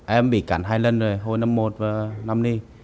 em bị cản hai lần rồi hồi năm một và năm đi